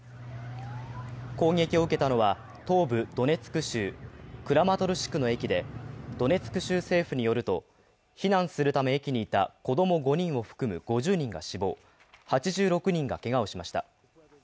攻撃を受けたのは、東部ドネツク州クラマトルシクの駅でドネツク州政府によると避難するため駅にいた子供５人を含む５０人が死亡、８６人がけがをしました。